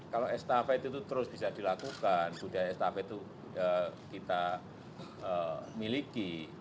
kalau estafet itu terus bisa dilakukan budaya estafet itu kita miliki